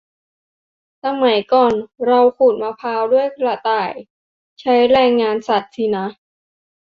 สมัยก่อนเราขูดมะพร้าวด้วยกระต่าย ใช้แรงงานสัตว์สินะ